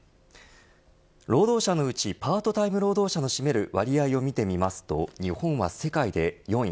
労働者のうちパートタイム労働者の占める割合を見てみますと日本は世界で４位。